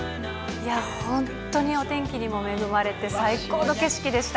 いや、本当にお天気にも恵まれて、最高の景色でした。